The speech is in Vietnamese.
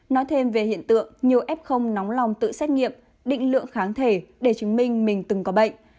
nói thêm về hiện tượng nhiều f nóng lòng tự xét nghiệm định lượng kháng thể để chứng minh mình từng có bệnh